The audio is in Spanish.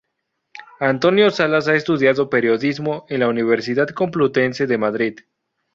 Antonio Salas ha estudiado periodismo en la Universidad Complutense de Madrid.